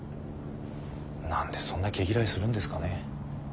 何でそんな毛嫌いするんですかね。